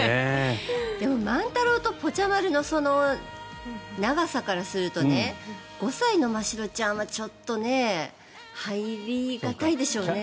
でも、マンタローとぽちゃ丸の長さからするとね５歳のましろちゃんはちょっと入り難いでしょうね。